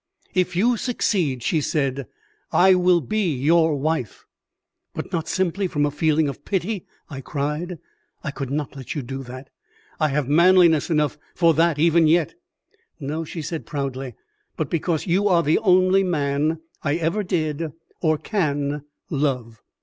"If you succeed," she said, "I will be your wife." "But not simply from a feeling of pity?" I cried. "I could not let you do that. I have manliness enough for that even yet." "No," she said proudly, "but because you are the only man I ever did or can love."